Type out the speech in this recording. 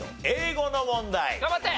英語の問題。